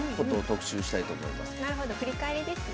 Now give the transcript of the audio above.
なるほど振り返りですね。